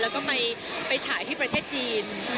แล้วก็ไปฉายที่ประเทศจีน